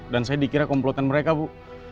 dan saya dikira komplotan mereka bu